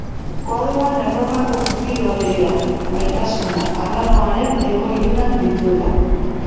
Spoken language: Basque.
Koadroan Erromako Kupido ageri da, Maitasuna, arranoaren hego ilunak dituela.